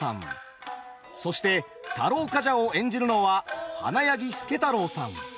そして太郎冠者を演じるのは花柳輔太朗さん。